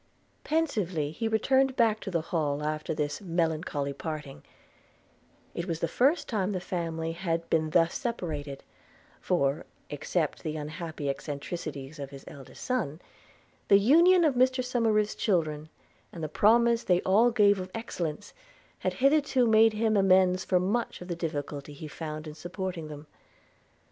Pensively he returned back to the Hall after this melancholy parting: it was the first time the family had been thus separated; for, except the unhappy eccentricities of his eldest son, the union of Mr Somerive's children, and the promise they all gave of excellence, had hitherto made him amends for much of the difficulty he found in supporting them.